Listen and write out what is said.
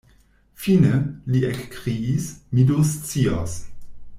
Fine, li ekkriis, mi do scios.